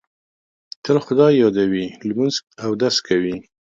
تل خدای یادوي، لمونځ اودس کوي.